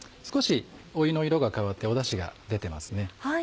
少し湯の色が変わってダシが出てますね。